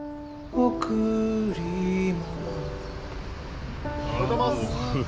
おはようございます！